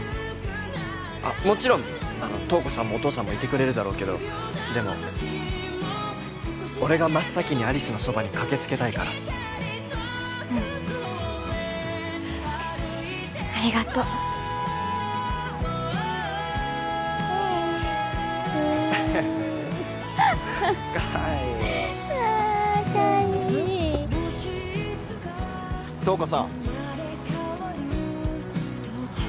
あっもちろん瞳子さんもお父さんもいてくれるだろうけどでも俺が真っ先に有栖のそばに駆けつけたいからうんありがとう海ああ海瞳子さん